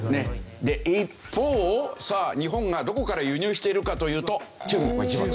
一方日本がどこから輸入しているかというと中国が１番です。